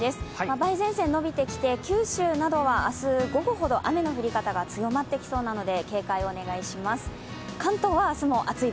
梅雨前線延びてきて、九州などは明日午後からは雨の降り方が強まってきそうなので警戒をお願いします。